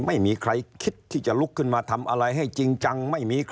ไม่มีใครคิดที่จะลุกขึ้นมาทำอะไรให้จริงจัง